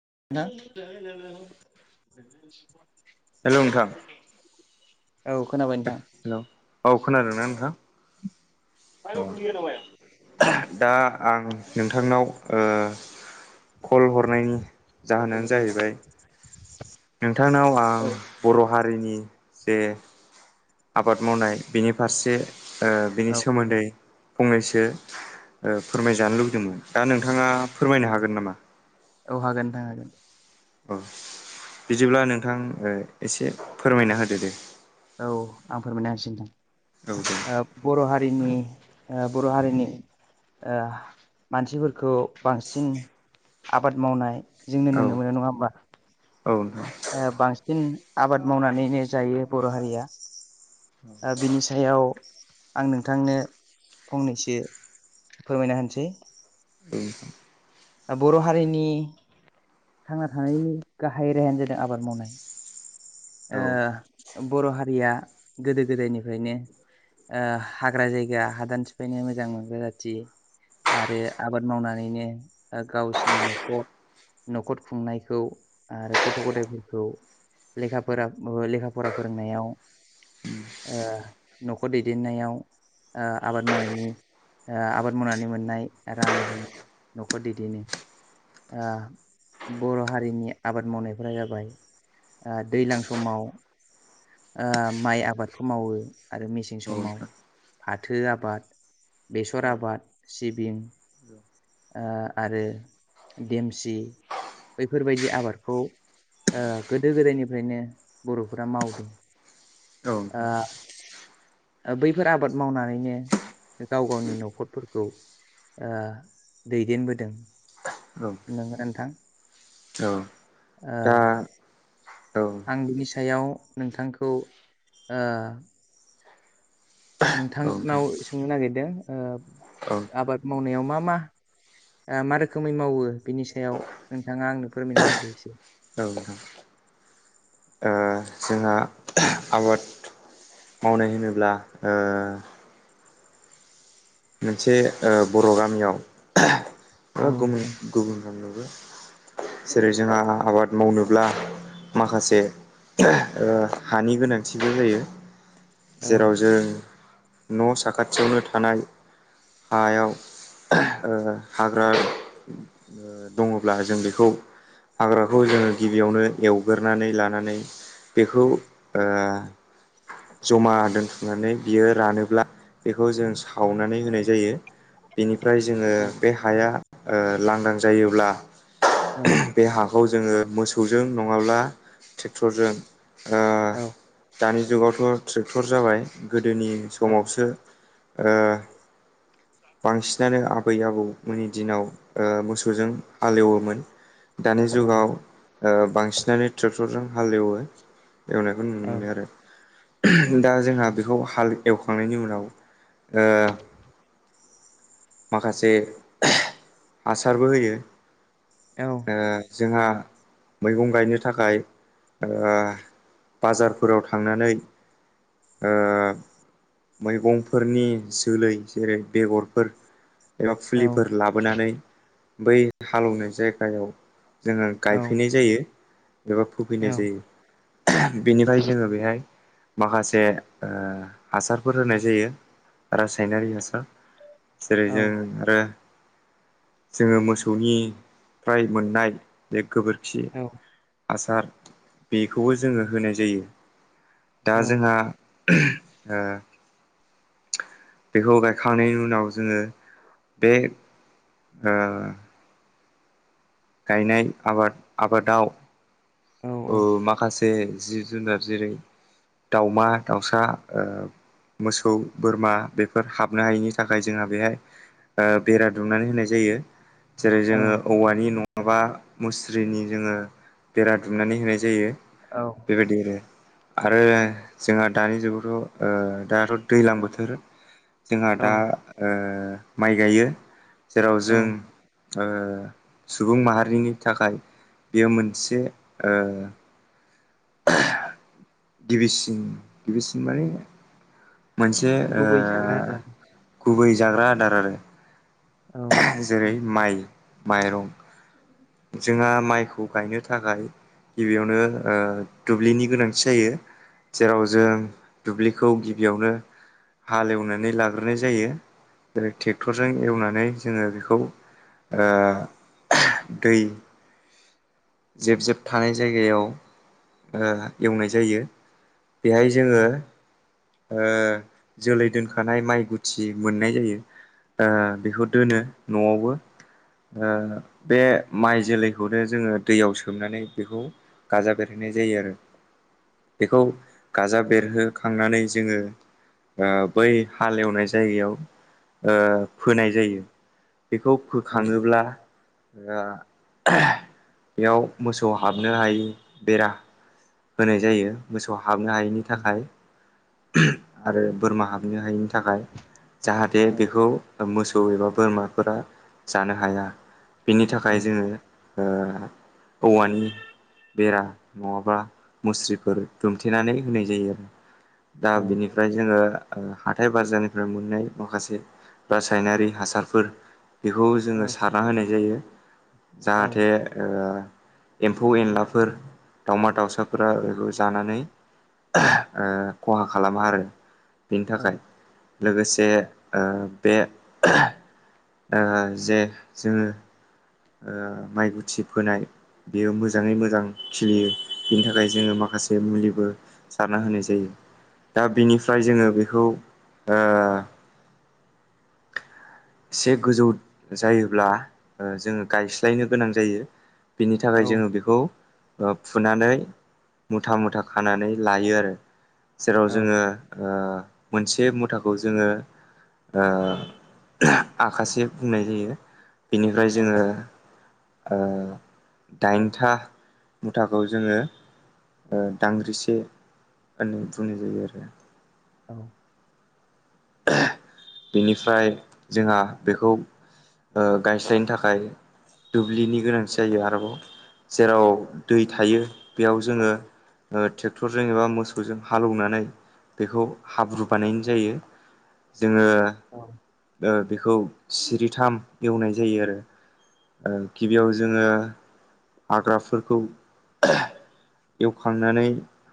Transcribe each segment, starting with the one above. नोंथां हेल' नोंथां औ खोनाबाय नोंथां हेल' औ खोनादोंना नोंथां [unintelligible] माया दा आं नोंथांनाव ओ कल हरनायनि जाहोनानो साइकेलनिफ्राय जाहैबाय नोंथांनाव आं औ बर' हारि हारिनि जे आबाद मावनाय बेनि फारसे ओ बिनि औ सोमोन्दै फंनैसो ओ फोरमायजानो लुबैदोंमोन दा नोंथाङा फोरमायनो हागोन नामा? औ हागोन नोंथां हागोन औ बिदिब्ला नोंथां ओ एसे फोरमायना होदो दे औ आं फोरमायनो होनोसै औ दे नोंथां ओ बर' हारिनि बर' हारिनि ओ मानसिफोरखौ बांसिन आबाद मावनाय जों औ नुनो मोनो नङा होमबा औ नोंथां बांसिन आबाद मावनानैनो जायो बर' हारिया ओ बिनि सायाव आं नोंथांनो फंनैसो फोरमायना होनोसै औ बर' हारिनि थांना थानायनि गाहाय रेाहायानो जादों आबाद मावनाय औ ओ बर' हारिया गोदो गोदायनिफ्रायनो ओ हाग्रा जायगा हादान सिफायनो मोजां मोनग्रा जाथि आरो आबाद मावनानैनो गावसिनि न'खर न'खर खुंनायखौ आरो गथ' गथायफोरखौ लेखाफोरा लेखा फरा फोरोंनायाव ओ न'खर दैदेननायाव ओ आबाद मावनायनि ओ आबाद मावनानै मोननाय रांजोंनो न'खर दैदेनो ओ बर' हारिनि आबाद मावनायफोरा जाबाय ओ दैज्लां समाव ओ माइ आबादखौ मावो आरो मेसें औ समाव नोंथां फाथो आबाद बेसर औ औ आबाद सिबिं [inaudible] ओ आरो देमसि बैफोरबायदि आबादखौ ओ गोदो गोदायनिफ्रायनो बर'फोरा मावदों औ ओ बैफोर आबाद मावनानैनो गाव गावनि न'खरफोरखौ ओ दैदेनबोदों नोंथां औ नोंगो नोंथां औ ओ दा औ आं बिनि सायाव नोंथांखौ ओ औ नोंथां नोंथांनाव सोंनो नागिरदों ओ औ औ आबाद मावनायाव मा मा मा रोखोमै मावो बिनि सायाव नोंथाङा आंनो फोरमायना होदो एसे औ नोंथां ओ जोंहा आबाद मावनाय होनोब्ला ओ मोनसे ओ बर' गामियाव बा औ गुबुन नोंथां गुबुनफ्रामनोबो जेरै जोंहा आबाद मावनोब्ला माखासे ओ हानि गोनांथिबो जायो औ जेराव जों न' साखाथियावनो थानाय हायाव ओ हाग्रा दङब्ला जों बेखौ हाग्राखौ जोङो गिबियावनो एवग्रोनानै लानानै बेखौ ओ ज'मा दोनथुमनानै बियो रानोब्ला बेखौ जों सावनानै होनाय जायो जायो बिनिफ्राय जोङो औ बे हाया ओ लांदां जायोब्ला औ बे हाखौ जोङो मोसौजों नङाब्ला ट्रेक्टरजों ओ औ दानि जुगावथ' ट्रेक्टर जाबाय गोदोनि समावसो ओ बांसिनानो आबै आबौमोननि दिनाव ओ मोसौजों हालेवोमोन दानि औ जुगाव ओ बांसिनानो ट्रेक्टरजों हालेवो एवनायखौ नुनो मोनो आरो दा जोंहा बेखौ हाल एवखांनायनि उनाव माखासे हासारबो होयो औ ओ जोंहा मैगं गायनो थाखाय ओ बाजारफोराव थांनानै ओ मैगंफोरनि जोलै जेरै बेगरफोर एबा औ फुलिफोर लाबोनानै बै हाल एवनाय जायगायाव जोङो औ गायफैनाय जायो एबा फुफैनाय जायो बेनिफ्राय जोङो बेहाय माखासे ओ हासारफोर होनाय जायो रासायनारि हासार जेरै जों आरो जोङो मोसौनिफ्राय मोननाय बे गोबोरखि आसार बेखौबो जोङो होनाय जायो दा जोंहा ओ बेखौ गायखांनायनि उनाव जोङो बे ओ गायनाय आबाद आबादाव ओ माखासे जि जुनार जेरै दाउमा दाउसा ओ मोसौ बोरमा बेफोर हाबनो हायिनि थाखाय जोंहा बेहाय आ बेरा दुमनानै होनाय जायो जेरै जोङो औवानि नङाबा मुस्रिनि जोङो बेरा दुमनानै होनाय जायो बेबायदि आरो आरो जोंहा दानि जुगावथ' ओ दाथ' दैलां बोथोर जोंहा दा आ माइ गायो जेराव जों ओ सुबुं माहारिनि थाखाय बेयो मोनसे ओ गिबिसिन गिबिसिन माने मोनसे ओ गुबै जाग्रा आदार गुबै जाग्रा आदार आरो औ जेरै नंगौ माइ माइरं जोंहा माइखौ गायनो थाखाय गिबियावनो ओ दुब्लिनि गोनांथि जायो जेराव जों दुब्लिखौ गिबियावनो हाल एवनानै लाग्रोनाय जायो जेरै ट्रेक्टरजों एवनानै जोङो बेखौ ओ दै जेब जेब थानाय जायगायाव ओ एवनाय जायो बेहाय जोङो ओ जोलै दोनखानाय माइ गुथि मोननाय जायो ओ बेखौ दोनो न'आवबो ओ बे माइ जोलैखौनो जोङो दैयाव सोमनानै बेखौ गाजा बेरहैनाय जायो आरो बेखौ गाजा बेरहोखांनानै जोङो ओ बै हालेवनाय जायगायाव फोनाय जायो बेखौ औ फोखाङोब्ला ओ बेयाव मोसौ हाबनो हायि बेरा होनाय जायो मोसौ हाबनो हायैनि थाखाय आरो बोरमा हाबनो हायैनि थाखाय जाहाथे औ बेखौ मोसौ एबा बोरमाफोरा जानो हाया बिनि थाखाय औ जोङो ओ औवानि बेरा नङाबा मुस्रिफोर दुमथेनानै होनाय जायो आरो दा औ बिनिफ्राय जोङो ओं हाथाय बाजारनिफ्राय मोननाय माखासे रासायनारि हासारफोर बेखौ औ जोङो सारना होनाय जायो औ जाहाथे ओ एमफौ एनलाफोर दाउमा-दाउसाफोरा बेखौ जानानै ओ ख'हा खालामो आरो बेनि थाखाय लोगोसे ओ बे जे जोङो ओ माइ गुथि फोनाय बेयो मोजाङै मोजां खिलियो बेनि थाखाय जोङो माखासे मुलिबो सारना होनाय जायो दा बिनिफ्राय जोङो बेखौ ओ से गोजौ जायोब्ला ओ जोङो गायस्लायनो गोनां जायो बिनि औ थाखाय जोङो बेखौ ओ फुनानै मुथा मुथा खानानै लायो आरो जेराव जोङो ओ मोनसे मुथाखौ जोङो ओ आखासे बुंनाय जायो बेनिफ्राय जोङो ओ दाइनथा मुथाखौ जोङो ओ दांग्रिसे होननानै बुंनाय जायो आरो औ बेनिफ्राय जोंहा बेखौ ओ गायस्लायनो थाखाय दुब्लिनि गोनांथि जायो आरोबाव जेराव दै थायो बेयाव जोङो ओ ट्रेक्टरजों एबा मोसौजों हालौवनानै बेखौ हाब्रु बानायनाय जायो जोङो औ ओ बेखौ सिरिथाम एवनाय जायो आरो ओ गिबियाव जोङो हाग्राफोरखौ एवखांनानै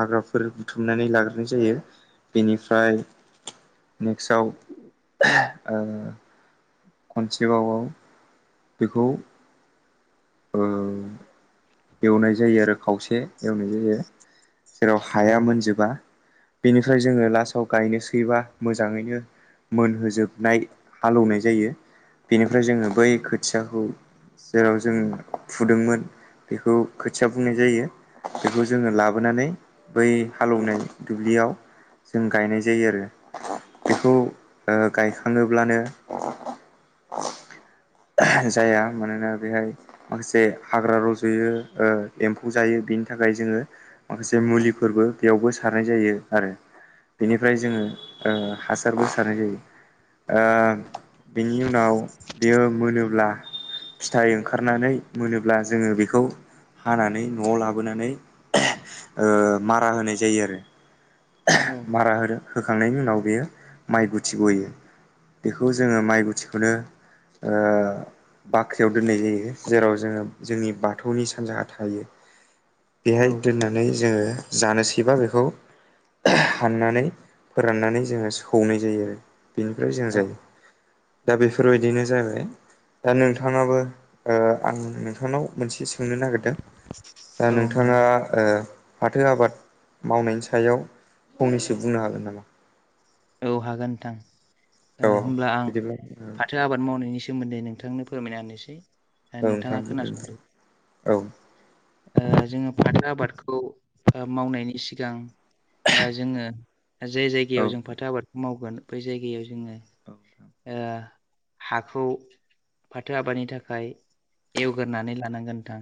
हाग्राफोर बुथुमनानै लाग्रोनाय जायो बेनिफ्राय नेक्सआव ओ खनसेबावआव बेखौ ओ एवनाय जायो आरो खावसे एवनाय जायो जेराव हाया मोनजोबा बेनिफ्राय जोङो लासाव गायनोसैबा मोजाङैनो मोनहोजोबनाय हालौवनाय जायो बेनिफ्राय जोङो बै खोथियाखौ जेराव जों फुदोंमोन बेखौ खोथिया बुंनाय जायो बेखौ जोङो लाबोनानै बै हालेवनाय दुब्लि याव जों गायनाय जायो आरो बेखौ गायखाङोब्लानो जाया मानोना बेहाय माखासे हाग्रा रज'यो ओ एमफौ जायो बेनि थाखाय थाखाय जोङो माखासे मुलिफोरबो बेयावबो सारनाय जायो आरो बेनिफ्राय जोङो ओ हासारबो सारनाय जायो ओ बेनि उनाव बेयो मोनोब्ला फिथाइ ओंखारनानै मोनोब्ला जोङो बेखौ हानानै न'आव लाबोनानै ओ मारा होनाय जायो आरो मारा हो होखांनायनि उनाव बेयो माइ गुथि बयो बेखौ जोंङो माइ मुथिखौनो बाख्रियाव दोननाय जायो जेराव जोंङो जोंनि बाथौनि सानजाहा थायो। बेहाय दोननानै जोंङो जानोसैबा बेखौ हाननानै फोराननानै जोंङो सौनाय जायो आरो बेनिफ्राय जों औ जायो दा बेफोरबायदिनो जाबाय दा नोंथांङाबो आं नोंथांनाव मोनसे सोंनो नागिरदों। दा नोंथां नोंथांङा फाथो आबाद मावनायनि सायाव फंनैसो बुंनो हागोन नामा औ हागोन नोंथां औ होमब्ला आं बिदिब्ला फाथो आबाद मावनायनि सोमोन्दै नोंथांनो फोरमायना होनोसै औ द नोंथां नोंथांङा बुंदो नोंथां खोनासंदो औ ओ जोङो फाथो आबादखौ मावनायनि सिगां जोंङो जाय औ जायगायाव जों फाथो आबादखौ मावो बै जायगायाव जोंङो औ हाखौ फाथो आबादनि थाखाय एवगोरानै लानांगोन नोंथां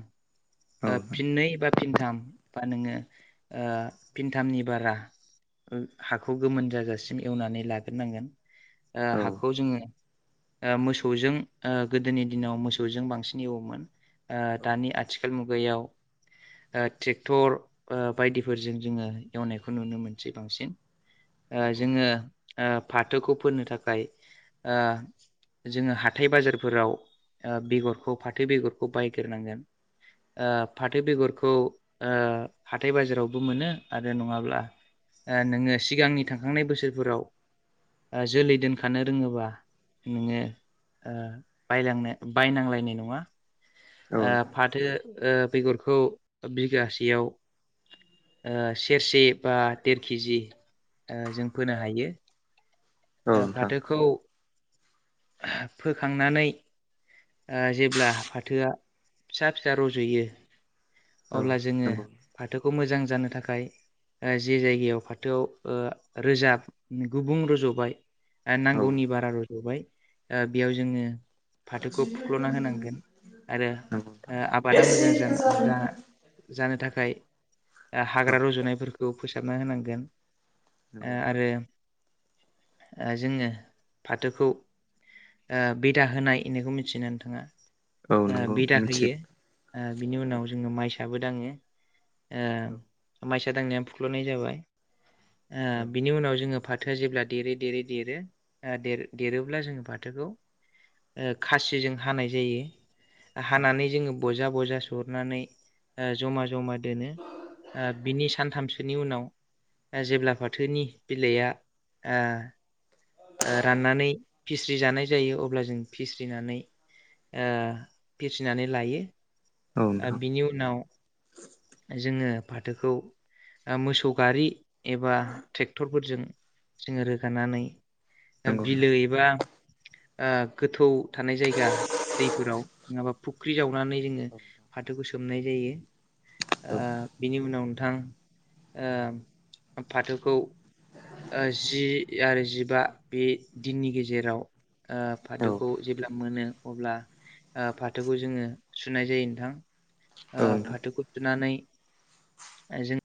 औ फिननै बा फिनथाम बा नोंङो फिनथामनि बारा हाखौ गोमोन जायगासिम एवनानै लाग्रोनांगोन औ हाखौ जोंङो मोसौजों गोदोनि दिनाव मोसौजों बांसिन एवोमोन औ दानि आथिखाल मुगायाव ट्रेक्टर बायदिफोरजों जोंङो एवनायखौ नुनो मोनसै बांसिन नंगौ जोंङो फाथोखौ फोनो थाखाय जोंङो हाथथाय बाजारफोराव बेगरखौ फाथो बेगरखौ बायग्रोनांगोन फाथो औ बेगरखौ हाथाय बाजारावबो मोनो आरो नंङाब्ला नोंङो सिगांनि थांखांनाय बोसोरफोराव जोलै दोनखानो रोंङोबा नोंङो बायलांनो बायनांलायनाय नंङा औ फाथो बेगरखौ बिगासेयाव सेरसे बा देर केजि जों फोनो हायो। औ नोंथां फाथोखौ फोखांनानै जेब्ला फाथोआ फिसा फिसा रज'यो औ अब्ला जोंङो नंगौ फाथोखौ मोजां जानो थाखाय जे जायगायाव फाथोआव रोजाब गुबुं रज'बाय औ नांगौनि बारा रज'बाय बेयाव जोंङो फाथोखौ फुख्ल'ना होनांगोन आरो नंगौ नोंथां आबादा मोजां जा औ जा जानो थाखाय हाग्रा रजुनायफोरखौ फोसाबना होनांगोन नंगौ नोंथां आरो जोंङो फाथोखौ बिदा होनाय इनायखौ मिथियो नोंथांङा औ नंगौ बिदा मिथियो होयो बिनि औ उनाव जोंङो माइसाबो दांङो औ माइसा दांनाया फुख्ल'नाय जाबाय औ बिनि उनाव जोंङो फाथो जेब्ला देरै देरै देरो देरोब्ला जोंङो फाथोखौ खासिजों हानाय जायो। औ हानानै जोंङो बजा बजा सहरनानै जमा - जमा दोनो बिनि सानथामसोनि उनाव जेब्ला फाथोनि बिलाइया राननानै फिस्रि जानाय जायो अब्ला जों फिस्रिनानै ओ फिरिनानै लायो नोंथां बिनि उनाव जोंङो फाथोखौ ओ मोसौ गारि एबा ट्रेक्टरफोरजों जोंङो रोगानानै नंगौ नोंथां बिलो एबा [inaudible] गोथौ थानाय जायगा दैफोराव नंङाबा फुख्रि जावनानै जोंङो औ फाथोखौ सो मोननाय जायो। ओ औ औ बिनि उनाव नोंथां फाथोखौ ओ जि आरो जिबा बे दिननि गेजेराव ओ औ फाथोखौ जेब्ला मोनो अब्ला ओ फाथोखौ जोङो सुनाय जायो नोंथां ओ नोंथां फाथोखौ सुनानै जों